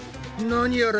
何やら。